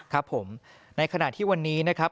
ครับผมในขณะที่วันนี้นะครับ